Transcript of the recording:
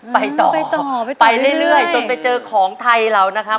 ไปต่อไปต่อไปเรื่อยจนไปเจอของไทยเรานะครับ